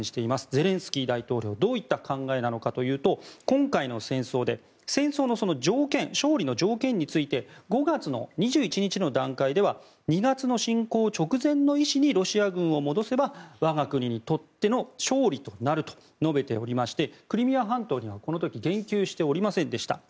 ゼレンスキー大統領どういった考えなのかというと今回の戦争で戦争の勝利の条件について５月２１日の段階では２月の侵攻直前の位置にロシア軍を戻せば我が国にとっての勝利となると述べておりましてクリミア半島はこの時言及しておりませんでした。